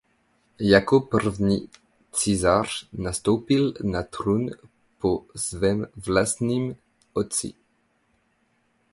Jako první císař nastoupil na trůn po svém vlastním otci.